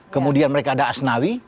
kemudian mereka ada asnawi